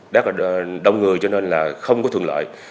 rất là đông người cho nên là không có thường lợi